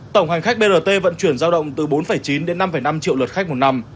tổng hành khách brt vận chuyển giao động từ bốn chín đến năm năm triệu lượt khách một năm